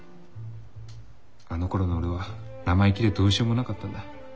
あのころの俺は生意気でどうしようもなかったんだ。